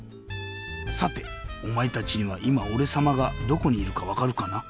さておまえたちにはいまおれさまがどこにいるかわかるかな？